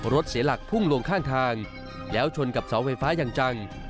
เสียหลักพุ่งลงข้างทางแล้วชนกับเสาไฟฟ้าอย่างจัง